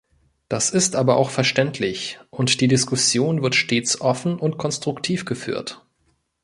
Das ist aber auch verständlich, und die Diskussion wird stets offen und konstruktiv geführt.